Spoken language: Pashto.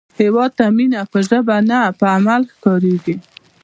هیواد ته مینه په ژبه نه، په عمل ښکارېږي